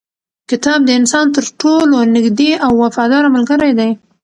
کتاب د انسان تر ټولو نږدې او وفاداره ملګری دی.